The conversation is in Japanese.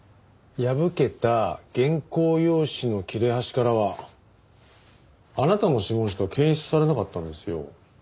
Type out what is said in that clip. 破けた原稿用紙の切れ端からはあなたの指紋しか検出されなかったんですよ。